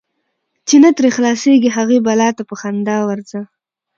چی نه ترې خلاصیږې، هغی بلا ته په خندا ورځه .